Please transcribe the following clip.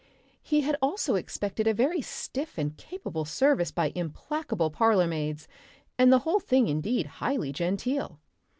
He had also expected a very stiff and capable service by implacable parlourmaids, and the whole thing indeed highly genteel.